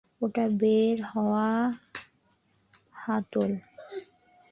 ওটা বের হওয়ার হাতল।